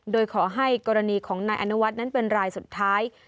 โดยขอให้กรณีของนายอนุวัฒน์นั้นเป็นรายสุดท้าย